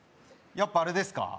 やっぱあれですか？